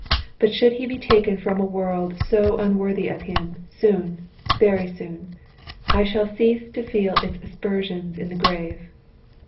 But should he be taken from a world so unworthy of him, soon, very soon, I shall cease to feel its aspersions in the grave."